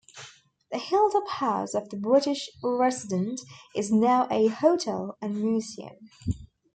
The hilltop house of the British Resident is now a hotel and museum.